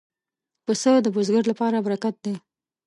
پسه د بزګر لپاره برکت دی.